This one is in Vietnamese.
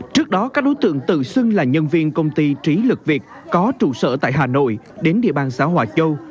trước đó các đối tượng tự xưng là nhân viên công ty trí lực việt có trụ sở tại hà nội đến địa bàn xã hòa châu